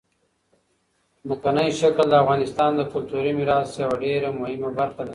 ځمکنی شکل د افغانستان د کلتوري میراث یوه ډېره مهمه برخه ده.